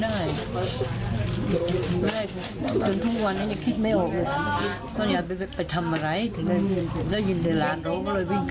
ยายก็เลยหันมาแบบเหมือนสัญชาติ